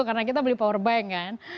karena kita beli power bank kan